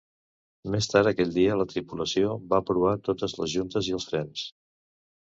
Més tard aquell dia, la tripulació va provar totes les juntes i els frens.